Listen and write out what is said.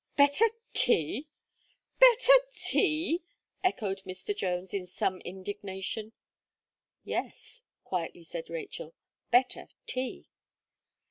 "Better tea! better tea!" echoed Mr. Jones, in some indignation. "Yes," quietly said Rachel, "better tea."